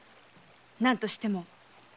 何としても。